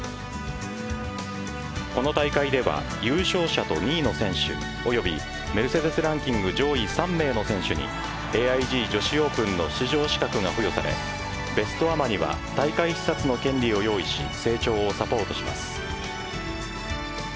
この大会では優勝者と２位の選手及びメルセデスランキング上位３名の選手にＡＩＧ女子オープンの出場資格が付与されベストアマには大会視察の権利を用意し成長をサポートします。